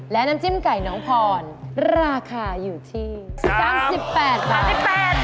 และน้ำจิ้มไก่น้องพรราคาอยู่ที่๓๘บาท